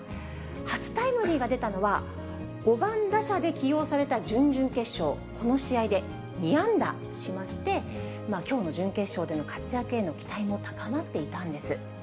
初タイムリーが出たのは、５番打者で起用された準々決勝、この試合で２安打しまして、きょうの準決勝での活躍への期待も高まっていたんです。